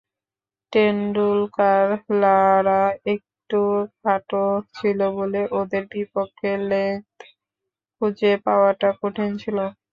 টেন্ডুলকার-লারা একটু খাটো ছিল বলে ওদের বিপক্ষে লেংথ খুঁজে পাওয়াটা কঠিন ছিল।